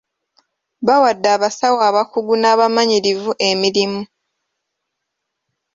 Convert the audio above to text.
Bawadde abasawo abakugu n'abamanyirivu emirimu.